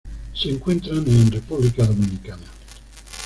Se encuentran en República Dominicana.